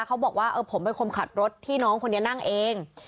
เขาบอกว่าเออผมเป็นคนขับรถที่น้องคนนี้นั่งเอง